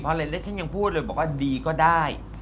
เพราะฉันยังพูดเลยว่าดีก็ได้